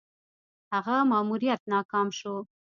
هغه ماموریت ناکام شو.